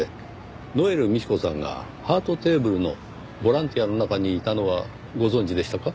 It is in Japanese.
ノエル美智子さんがハートテーブルのボランティアの中にいたのはご存じでしたか？